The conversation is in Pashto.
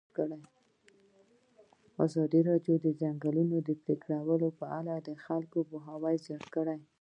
ازادي راډیو د د ځنګلونو پرېکول په اړه د خلکو پوهاوی زیات کړی.